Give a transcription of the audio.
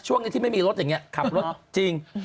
ช่วงนี้ที่ไม่มีรถอย่างนี้ขับรถจริง